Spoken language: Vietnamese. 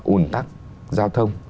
ủn tắc giao thông